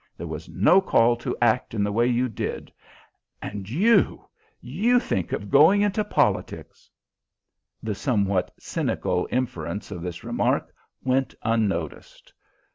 There was no call to act in the way you did. And you you think of going into politics!" The somewhat cynical inference of this remark went unnoticed.